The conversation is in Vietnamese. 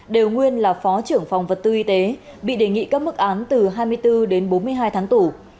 đều nguyên là phó trưởng phòng vật tư y tế bị đề nghị các mức án từ hai mươi bốn đến bốn mươi hai tháng tù